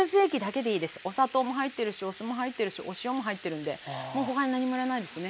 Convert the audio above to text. お砂糖も入ってるしお酢も入ってるしお塩も入ってるんでもう他に何もいらないですね。